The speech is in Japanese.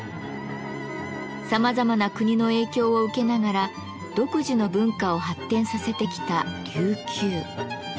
さまざまな国の影響を受けながら独自の文化を発展させてきた琉球。